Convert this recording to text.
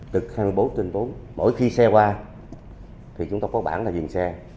cực hai mươi bốn trên bốn mỗi khi xe qua thì chúng tôi có bản là viện xe